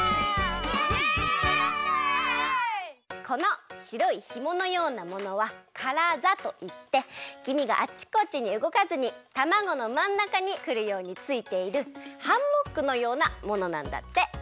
この白いヒモのようなものはカラザといって黄身があっちこっちにうごかずにたまごのまんなかにくるようについているハンモックのようなものなんだって。